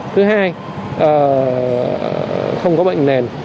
thứ hai không có bệnh nền